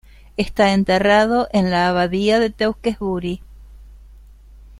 Está enterrado en la abadía de Tewkesbury.